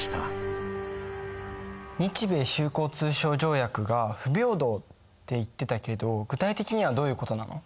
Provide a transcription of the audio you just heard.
日米修好通商条約が不平等って言ってたけど具体的にはどういうことなの？